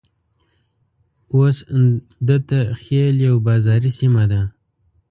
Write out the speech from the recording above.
اوس دته خېل يوه بازاري سيمه ده.